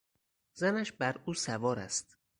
زنش بر او سوار است.